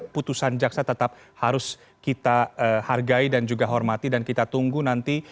putusan jaksa tetap harus kita hargai dan juga hormati dan kita tunggu nanti